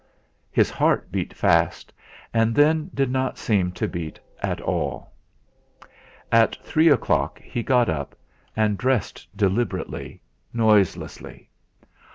His heart beat fast, and then did not seem to beat at all. At three o'clock he got up and dressed deliberately, noiselessly.